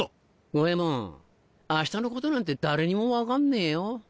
五ェ門明日のことなんて誰にも分かんねえよ。